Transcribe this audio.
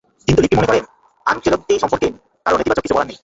কিন্তু লিপ্পি মনে করেন, আনচেলত্তি সম্পর্কে কারও নেতিবাচক কিছু বলার নেই।